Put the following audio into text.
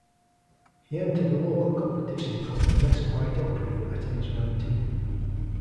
He entered a local competition called the Mesquite Opry at age nineteen.